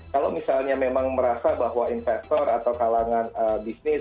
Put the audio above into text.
kalau misalnya memang merasa bahwa investor atau kalangan bisnis